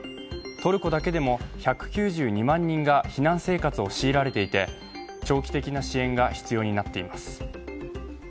トルコだけでも１９２万人が避難生活を強いられていて長期的な支援が必要になっています。